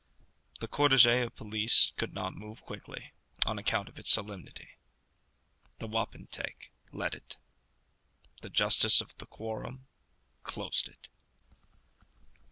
The cortège of police could not move quickly, on account of its solemnity. The wapentake led it. The justice of the quorum closed it.